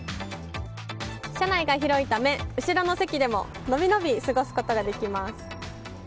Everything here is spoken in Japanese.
車内が広いのため後ろの席でものびのび過ごすことができます。